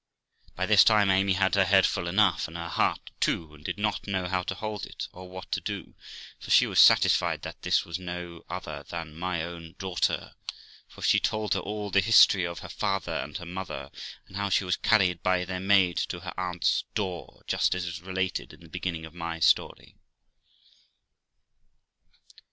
By this time Amy had her head full enough, and her heart too, and did not know how to hold it, or what to do, for she was satisfied that this was no other than my own daughter, for she told her all the history of her father and mother, and how she was carried by their maid to her aunt's door, just as is related in the beginning of my story.